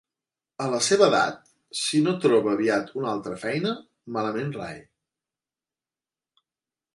A la seva edat, si no troba aviat una altra feina, malament rai.